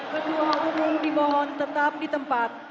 ketua umum dimohon tetap di tempat